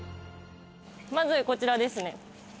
まず、こちらですね。